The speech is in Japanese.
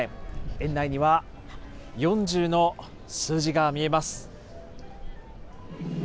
園内には４０の数字が見えます。